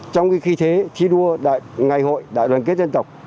trong cái khí thế thi đua ngày hội đại đoàn kết dân tộc